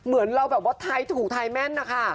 เหมือนเราไทยถูกไทยแม่นนะคะ